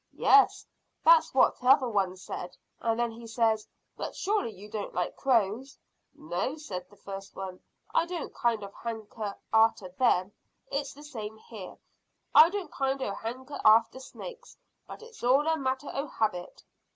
"Yes, that's what t'other one said; and then he says, `But surely you don't like crows?' `No,' says the first one, `I don't kind o' hanker arter them.' It's the same here, I don't kind o' hanker arter snake; but it's all a matter o' habit."